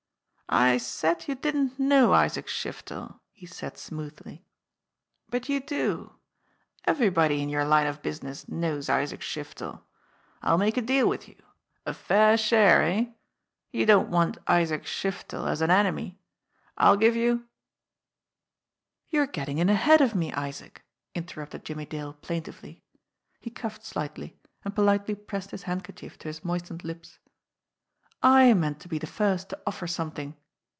"I said you didn't know Isaac Shiftel," he said smoothly; "but you do everybody in your line of business knows Isaac Shiftel. I'll make a deal with you a fair share 38 JIMMIE DALE AND THE PHANTOM CLUE eh? You don't want Isaac Shiftel as an enemy. I'll give you " "You're getting in ahead of me, Isaac," interrupted Jimmie Dale plaintively. He coughed slightly and politely pressed his handkerchief to his moistened lips. "I meant to be the first to offer something."